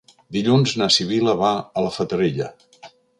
Dilluns na Sibil·la va a la Fatarella.